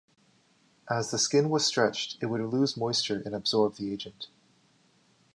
As the skin was stretched, it would lose moisture and absorb the agent.